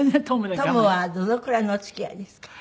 トムはどのくらいのお付き合いですか？